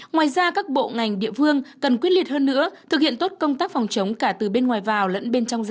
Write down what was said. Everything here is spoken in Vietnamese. ngoài ra các bộ ngành địa phương cần quyết liệt hơn nữa thực hiện tốt công tác phòng chống cả từ bên ngoài vào lẫn bên trong gia đình